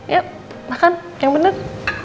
yuk makan yang bener